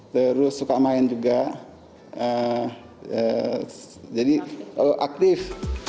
terus suka main juga jadi aktif